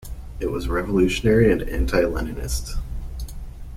It was revolutionary and anti-Leninist.